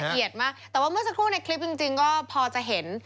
มากแต่ว่าเมื่อสักครู่ในคลิปจริงก็พอจะเห็น